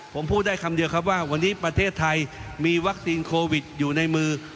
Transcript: ผมพูดได้คำเดียวครับว่าวันนี้ประเทศไทยมีวัคซีนโควิดอยู่ในมือ